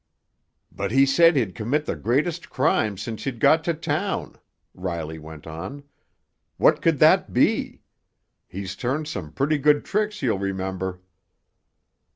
"But he said he'd commit the greatest crime since he'd got to town," Riley went on. "What could that be? He's turned some pretty good tricks, you'll remember."